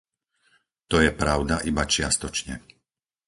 To je pravda iba čiastočne.